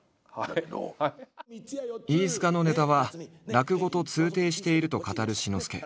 飯塚のネタは落語と通底していると語る志の輔。